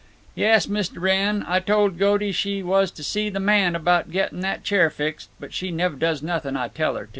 "Yes, Mist' Wrenn, Ah told Goaty she was to see the man about getting that chair fixed, but she nev' does nothing Ah tell her."